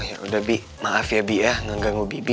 ya udah bi maaf ya bi ya nganggu ngganggu bibi